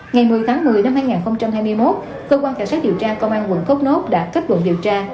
ngày một mươi tháng một mươi năm hai nghìn hai mươi một cơ quan cảnh sát điều tra công an quận thốt nốt đã kết luận điều tra